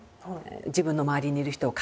自分の周りにいる人を勝手にね。